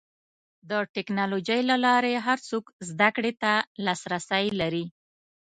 د ټکنالوجۍ له لارې هر څوک زدهکړې ته لاسرسی لري.